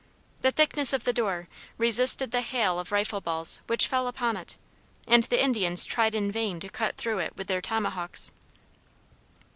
The thickness of the door resisted the hail of rifle balls which fell upon it, and the Indians tried in vain to cut through it with their tomahawks.